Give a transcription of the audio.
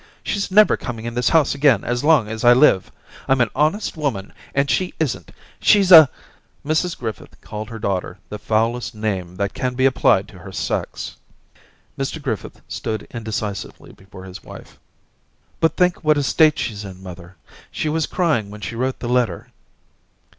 She's never coming in this house again as long as I live ; I'm an honest woman and she isn't She's a—' Mrs Griffith called her daughter the foulest name that can be applied to her sex. Mr Griffith stood indecisively before his wife. * But think what a state she's in, mother. She was crying when she wrote the letter.'